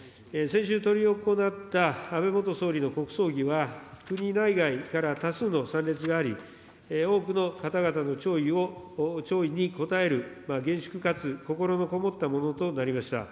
先週、執り行った安倍元総理の国葬儀は、国内外から多数の参列があり、多くの方々の弔意に応える厳粛かつ心のこもったものとなりました。